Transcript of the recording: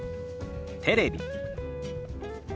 「テレビ」。